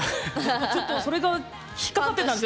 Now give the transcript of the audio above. それが引っ掛かってたんです。